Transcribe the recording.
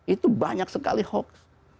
itu banyak sekali hoaks